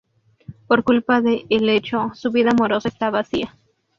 Por culpa de ""el Hecho"" su vida amorosa está vacía.